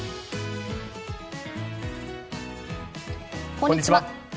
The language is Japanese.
こんにちは。